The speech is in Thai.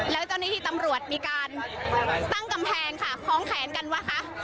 แล้วเจ้าหน้าที่ตำรวจมีการตั้งกำแพงค่ะคล้องแขนกันว่าคะ